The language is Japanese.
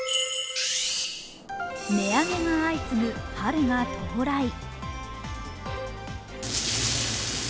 値上げが相次ぐ春が到来。